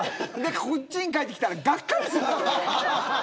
こっちに帰ってきたらがっかりする。